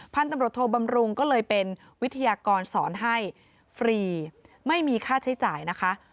พันธุ์ตำรวจโทบำรุงก็เลยเป็นวิทยากรสอนให้ฟรีไม่มีค่าใช้จ่ายนะคะ